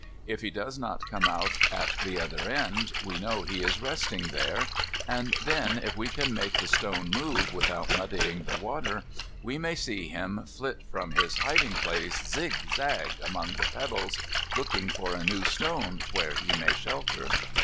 If he does not come out at the other end we know he is resting there, and then if we can make the stone move without muddying the water, we may see him flit from his hiding place, zig zag among the pebbles, looking for a new stone where he may shelter.